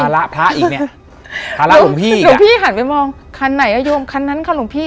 ละพระอีกเนี่ยภาระหลวงพี่หลวงพี่หันไปมองคันไหนอ่ะโยมคันนั้นคันหลวงพี่